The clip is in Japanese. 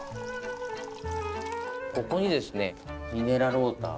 ここにですねミネラルウォーター。